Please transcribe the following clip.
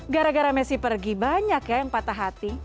gara gara messi pergi banyak ya yang patah hati